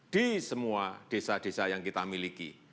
di semua desa desa yang kita miliki